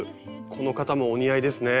この方もお似合いですね。